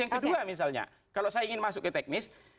yang kedua misalnya kalau saya ingin masuk ke teknis